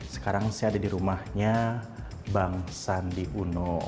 sekarang saya ada di rumahnya bang sandi uno